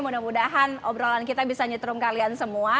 mudah mudahan obrolan kita bisa nyetrum kalian semua